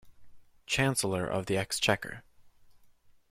Chancellor of the Exchequer